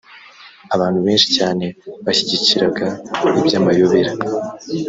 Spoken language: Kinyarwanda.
abantu benshi cyane bashyigikiraga iby amayobera